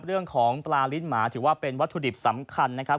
เรื่องของปลาลิ้นหมาถือว่าเป็นวัตถุดิบสำคัญนะครับ